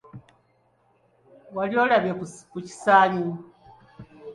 Wali olabye ku kisaanyi?